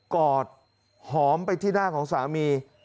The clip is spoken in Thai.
กอดหอมไปที่หน้าของสามี